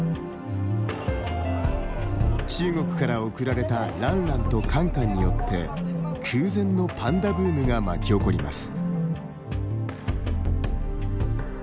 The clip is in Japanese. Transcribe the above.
中国から贈られたランランとカンカンによって空前のパンダブームが巻き起こります。